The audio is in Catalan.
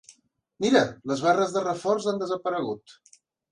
Mira, les barres de reforç han desaparegut!